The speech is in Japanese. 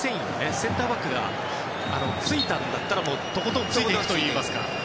センターバックがついたらとことんついていくといいますか。